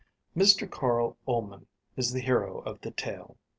Mr Carl Ullman is the hero of the tale.